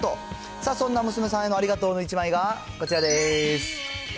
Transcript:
さあ、そんな娘さんへのありがとうの１枚がこちらです。